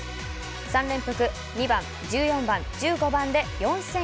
３連複２番、１４番、１５番で４２５０円。